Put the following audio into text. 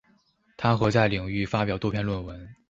她和在领域发表多篇论文。